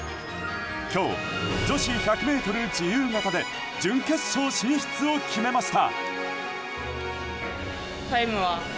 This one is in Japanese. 今日、女子１００ｍ自由形で準決勝進出を決めました。